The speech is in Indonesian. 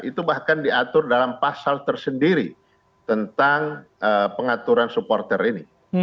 itu bahkan diatur dalam pasal tersendiri tentang pengaturan supporter ini